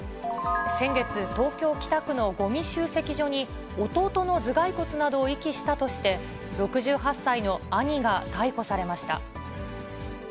先月、東京・北区のごみ集積所に、弟の頭蓋骨などを遺棄したとして、６８歳の兄が逮捕されました。